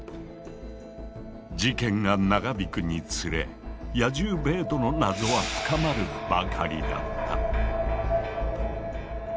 事件が長引くにつれ野獣ベートの謎は深まるばかりだった。